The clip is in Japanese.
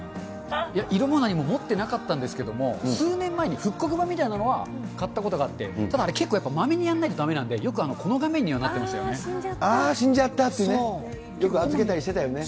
いや、色も何も、持ってなかったんですけれども、数年前に復刻版みたいなのは買ったことがあって、ただあれ、結構やっぱ、まめにやんないとだめなんで、よくこの画面にはなっああ、死んじゃったっていうね。よく預けたりしてたよね。